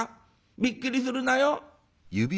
びっくりするなよ。